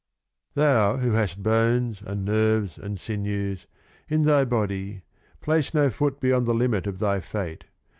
(415) Thou, who hast Bones, and Nerves, and Sinews, in thy Body, place no Foot beyond the Limit of thy Fate.